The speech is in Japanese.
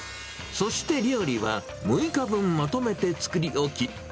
そして料理は、６日分まとめて作り置き。